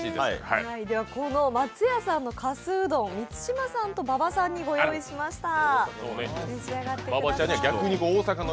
この松屋さんのかすうどん、満島さんと馬場さんにご用意しました。